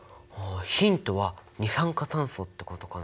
ヒントは二酸化炭素ってことかな。